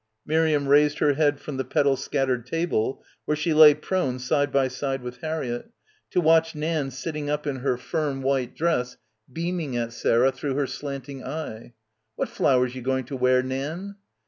Miriam raised her head from the petal scattered table, where she lay prone side by side with Har riett, to watch Nan sitting up in her firm white dress beaming at Sarah through her slanting eye. "What flowers you going to wear, Nan?"